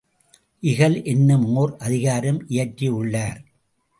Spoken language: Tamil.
இகல் என்னும் ஒர் அதிகாரம் இயற்றி உள்ளார்.